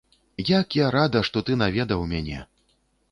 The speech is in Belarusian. Як я рада, што ты наведаў мяне!